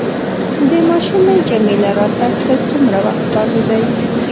د ماشومې جميله راتګ ته څومره وخت پاتې دی؟